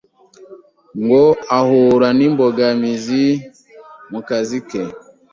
ngo ahura n’imbogamizi mu kazi ke